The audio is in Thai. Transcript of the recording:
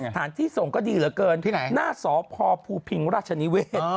สถานที่ส่งก็ดีเหลือเกินหน้าสอพภูพิงราชนิเวศ